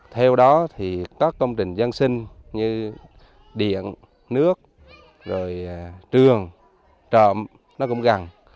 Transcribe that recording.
theo đó thì các công trình dân sinh như điện nước trường trộm cũng gần